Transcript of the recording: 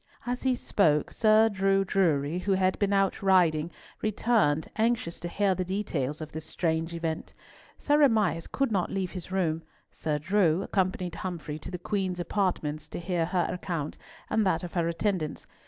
As he spoke, Sir Drew Drury, who had been out riding, returned, anxious to hear the details of this strange event. Sir Amias could not leave his room. Sir Drew accompanied Humfrey to the Queen's apartments to hear her account and that of her attendants.